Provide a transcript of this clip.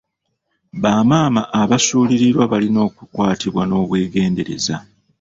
Bamaama abasulirirwa balina okukwatibwa n'obwegendereza.